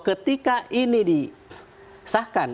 ketika ini disahkan